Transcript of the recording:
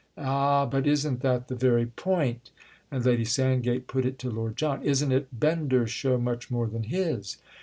"Ah, but isn't that the very point?"—and Lady Sandgate put it to Lord John. "Isn't it Bender's show much more than his?"